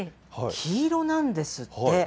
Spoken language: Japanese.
黄色なんですって。